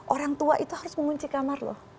orang tua itu harus mengunci kamar loh